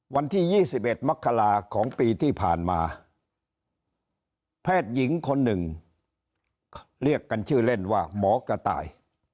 วันที่๒๑มกราของปีที่ผ่านมาแพทย์หญิงคนหนึ่งเรียกกันชื่อเล่นว่าหมอกระต่าย